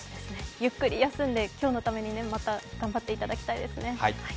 ゆっくり休んで、今日のためにまた頑張っていただきたいですね。